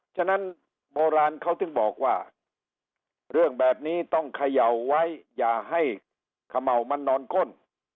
ฉะนั้นโบราณเขาถึงบอกว่าเรื่องแบบนี้ต้องเขย่าไว้อย่าให้เขม่าวมันนอนก้น